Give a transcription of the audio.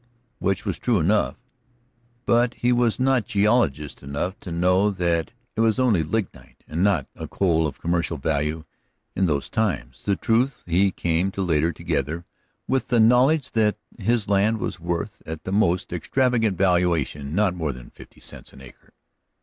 Which was true enough. But he was not geologist enough to know that it was only lignite, and not a coal of commercial value in those times. This truth he came to later, together with the knowledge that his land was worth, at the most extravagant valuation, not more than fifty cents an acre.